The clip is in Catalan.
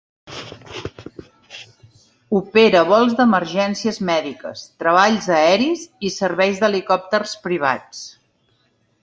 Opera vols d'emergències mèdiques, treballs aeris i serveis d'helicòpters privats.